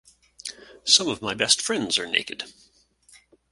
Some of my best friends are naked.